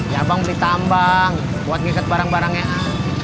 ya abang beli tambang buat ngeket barang barangnya